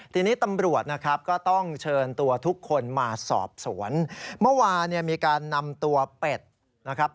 ทีนี้ตำรวจนะครับก็ต้องเชิญตัวทุกคนมาสอบสวนเมื่อวานเนี่ยมีการนำตัวเป็ดนะครับ